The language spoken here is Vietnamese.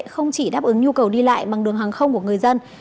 không chỉ đáp ứng nhu cầu đi lại bằng đường hàng không của người dân